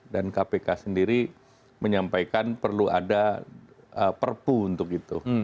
dan kpk sendiri menyampaikan perlu ada perpu untuk itu